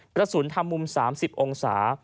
กระสุนทำมุม๓๐องศา